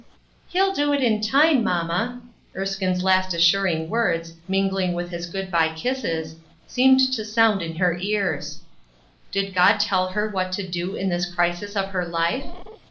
" He'll do it in time, mamma! " Erskine's last assuring words, mingling with his good by kisses, seemed to sound in her ears. Did God tell her what to do in this crisis of her life